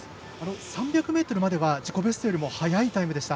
３００ｍまでは自己ベストよりも速いタイムでした。